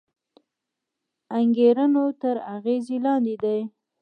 انګېرنو تر اغېز لاندې دی